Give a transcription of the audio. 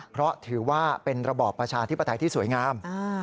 เพราะถือว่าเป็นระบอบประชาธิปไตยที่สวยงาม